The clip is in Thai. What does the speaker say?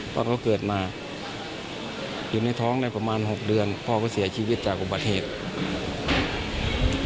พ่อก็เกิดมาอยู่ในท้องได้ประมาณ๖เดือนพ่อก็เสียชีวิตจากอุบัติเหตุ